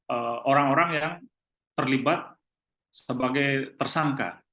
ee orang orang yang terlibat sebagai tersangka